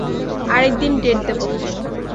আরেকদিন ডেট দেবো।